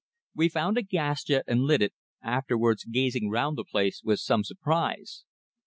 We found a gas jet and lit it, afterwards gazing round the place with some surprise.